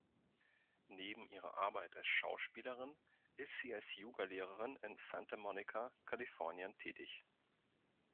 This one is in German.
Neben ihrer Arbeit als Schauspielerin ist sie als Yoga-Lehrerin in Santa Monica, Kalifornien tätig.